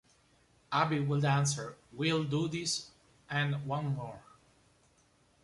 Abby would answer, 'We'll do this and one more.